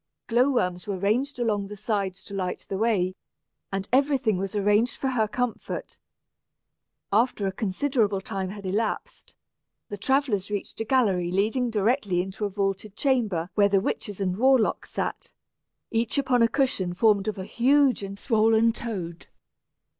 Glow worms were ranged along the sides to light the way, and every thing was arranged for her comfort. After a considerable time had elapsed, the travellers reached a gallery leading directly into a vaulted chamber where the witches and warlocks sat, each upon a cushion formed of a huge and swollen toad.